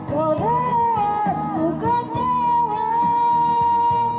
kau tak berbisa